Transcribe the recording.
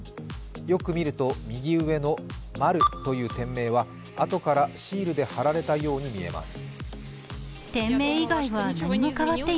よく見ると右上のマルという店名はあとからシールで貼られたように見えます。